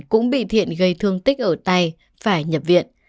cũng bị thiện gây thương tích ở tay phải nhập viện